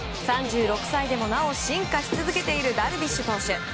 ３６歳でもなお進化し続けているダルビッシュ投手。